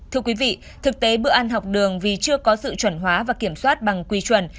thưa quý vị thực tế bữa ăn học đường vì chưa có sự chuẩn hóa và kiểm soát bằng quy chuẩn